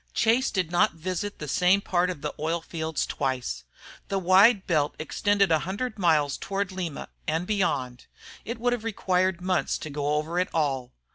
Chase did not visit the same part of the oil fields twice. The wide belt extended a hundred miles toward Lima and beyond; it would have required months to go over it all.